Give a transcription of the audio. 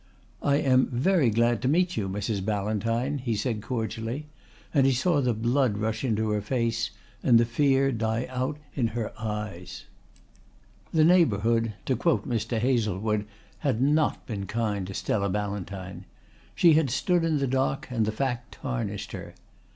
"I am very glad to meet you, Mrs. Ballantyne," he said cordially, and he saw the blood rush into her face and the fear die out in her eyes. The neighbourhood, to quote Mr. Hazlewood, had not been kind to Stella Ballantyne. She had stood in the dock and the fact tarnished her.